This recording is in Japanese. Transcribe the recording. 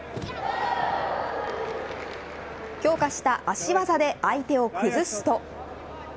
強化した足技で相手を崩すと。